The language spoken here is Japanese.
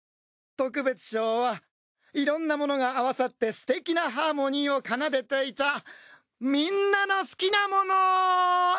特別賞はいろんなものが合わさってすてきなハーモニーを奏でていた『みんなの好きなもの』！